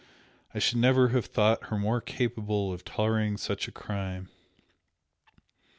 I should never have thought her capable of tolerating such a crime!"